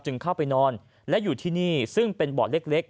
เข้าไปนอนและอยู่ที่นี่ซึ่งเป็นบ่อเล็ก